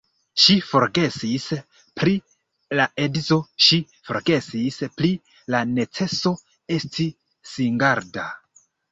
Ŝi forgesis pri la edzo, ŝi forgesis pri la neceso esti singarda.